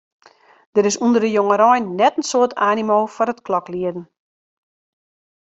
Der is ûnder de jongerein net in soad animo foar it kloklieden.